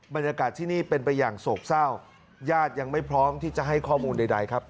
บรรยากาศที่นี่เป็นไปอย่างโศกเศร้าญาติยังไม่พร้อมที่จะให้ข้อมูลใดครับ